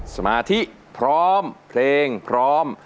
สมาธิพร้อมเพลงพร้อม